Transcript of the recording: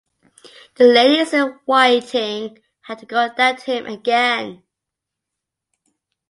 The ladies-in-waiting had to go down to him again.